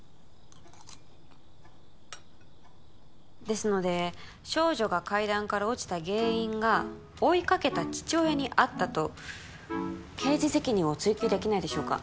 ですので少女が階段から落ちた原因が追いかけた父親にあったと刑事責任を追及できないでしょうか？